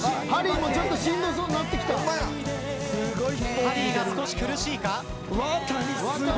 ハリーが少し苦しいか。